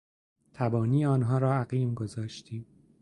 تبانی آنها را عقیم گذاشتیم.